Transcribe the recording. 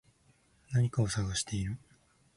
何かを探している